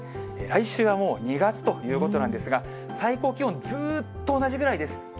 来週はもう２月ということなんですが、最高気温、ずっと同じぐらいです。